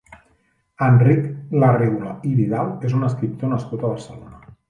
Enric Larreula i Vidal és un escriptor nascut a Barcelona.